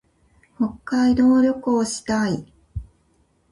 北海道旅行したい。